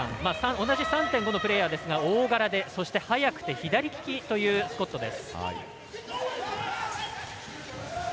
同じ３．５のプレーヤーですが大柄で速くて左利きというスコットです。